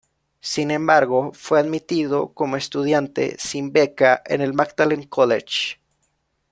Sin embargo, fue admitido como estudiante sin beca en el Magdalen College.